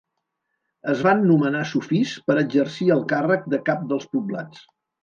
Es van nomenar sufís per exercir el càrrec de cap dels poblats.